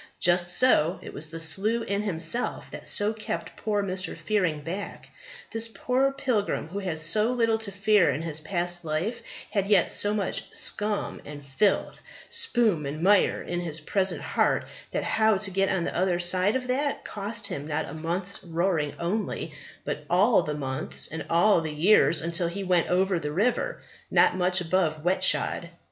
Just so; it was the slough in himself that so kept poor Mr. Fearing back. This poor pilgrim, who had so little to fear in his past life, had yet so much scum and filth, spume and mire in his present heart, that how to get on the other side of that cost him not a month's roaring only, but all the months and all the years till he went over the River not much above wet shod.